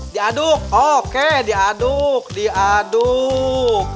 diaduk oke diaduk diaduk